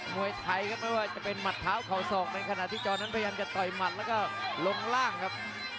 มวยไทยครับไม่ว่าจะเป็นหัดเท้าเข่าศอกในขณะที่จอนั้นพยายามจะต่อยหมัดแล้วก็ลงล่างครับ